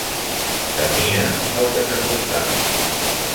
Temia el que s'acostava.